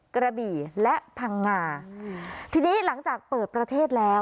กระบี่และพังงาทีนี้หลังจากเปิดประเทศแล้ว